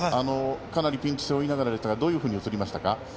かなりピンチを背負いながらでしたがどういうふうに映りましたか。